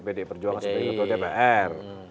pd perjuangan seperti itu ke dpr